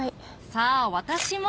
さぁ私も！